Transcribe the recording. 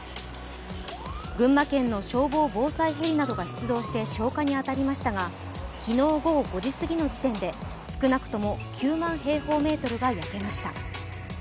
群馬県の消防防災ヘリなどが出動して消火に当たりましたが昨日午後５時過ぎの時点で少なくとも９万平方メートルが焼けました。